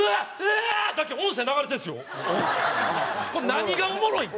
何がおもろいん？